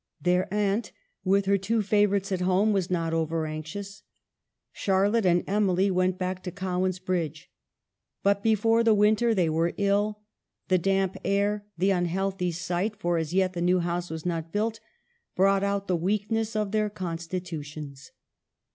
Their aunt, with her two favorites at home, was not over anxious. Charlotte and Emily went back to Cowan's Bridge. But be fore the winter they were ill : the damp air, the unhealthy site (for as yet the new house was not built), brought out the weakness of their constitutions.